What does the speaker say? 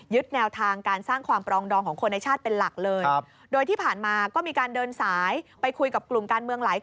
ยึดแนวทางการสร้างความปรองดองของคนในชาติเป็นหลักเลย